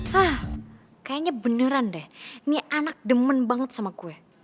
hah kayaknya beneran deh ini anak demen banget sama kue